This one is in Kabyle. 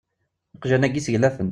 Iqjan-agu seglafen.